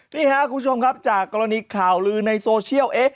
นี่ครับคุณผู้ชมครับจากกรณีข่าวลือในโซเชียล